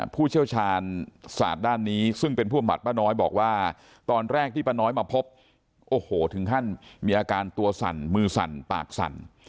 ผู้เชี่ยวชาญศาสตร์ด้านนี้ซึ่งเป็นผู้อำบัดป้าน้อยบอกว่าตอนแรกที่ป้าน้อยมาพบโอ้โหถึงขั้นมีอาการตัวสั่นมือสั่นปากสั่น